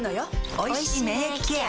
おいしい免疫ケア